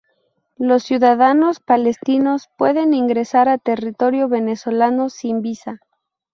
Los ciudadanos palestinos pueden ingresar a territorio venezolano sin visa.